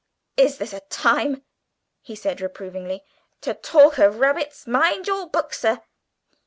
"Is this a time," he said reprovingly, "to talk of rabbits? Mind your book, sir."